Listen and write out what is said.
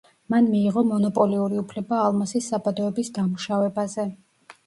მან მიიღო მონოპოლიური უფლება ალმასის საბადოების დამუშავებაზე.